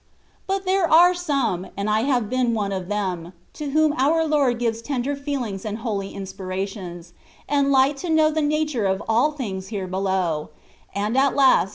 But there are some, and I have been one of them, to whom our Lord gives tender feelings and holy inspirations, and light to know the nature of all things here below ; and at last.